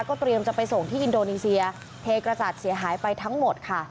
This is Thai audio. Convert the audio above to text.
เตรียมจะไปส่งที่อินโดนีเซียเทกระจัดเสียหายไปทั้งหมดค่ะ